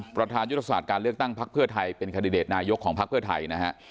ประธานยุทธศาสตร์การเลือกตั้งพักเพื่อไทยเป็นคันดิเดตนายกของพักเพื่อไทยนะฮะ